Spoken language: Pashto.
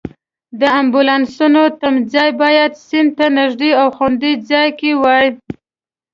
د امبولانسونو تمځای باید سیند ته نږدې او خوندي ځای کې وای.